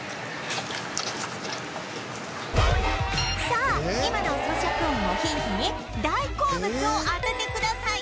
さあ今の咀嚼音をヒントに大好物を当ててください